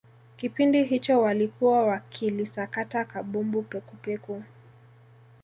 kipindi hicho walikuwa wakilisakata kabumbu pekupeku